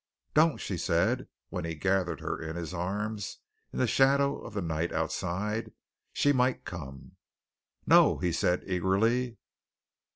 "Don't!" she said, when he gathered her in his arms, in the shadow of the night outside. "She might come." "No," he said eagerly.